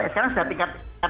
sekarang sudah tingkat